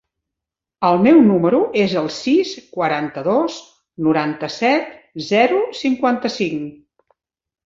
El meu número es el sis, quaranta-dos, noranta-set, zero, cinquanta-cinc.